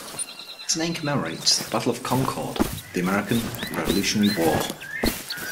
Its name commemorates the Battle of Concord of the American Revolutionary War.